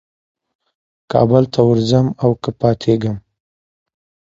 کابل ته ورځم او که پاتېږم.